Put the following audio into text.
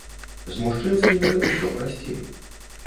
З мужчынскімі усё прасцей.